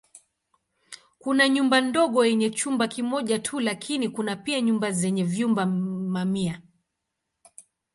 Kuna nyumba ndogo yenye chumba kimoja tu lakini kuna pia nyumba zenye vyumba mamia.